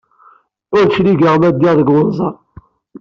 Ur d-cligeɣ ma ddiɣ deg wenẓar.